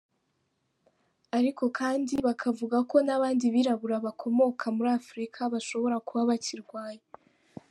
Ariko kandi bakavuga ko n’abandi birabura bakomoka muri Afurika bashobora kuba bakirwaye.